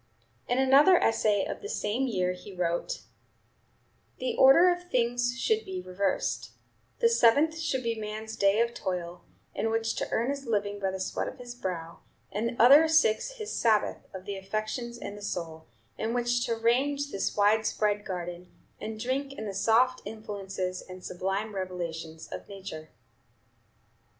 In another essay of the same year he wrote: "The order of things should be reversed: the seventh should be man's day of toil, in which to earn his living by the sweat of his brow, and the other six his Sabbath of the affections and the soul, in which to range this wide spread garden, and drink in the soft influences and sublime revelations of Nature."